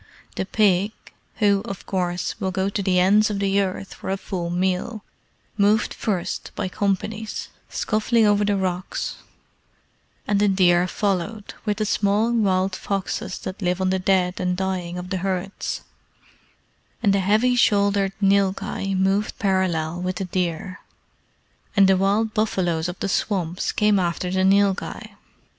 The pig who, of course, will go to the ends of the earth for a full meal moved first by companies, scuffling over the rocks, and the deer followed, with the small wild foxes that live on the dead and dying of the herds; and the heavy shouldered nilghai moved parallel with the deer, and the wild buffaloes of the swamps came after the nilghai.